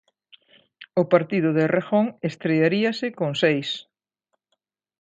O partido de Errejón, estrearíase con seis.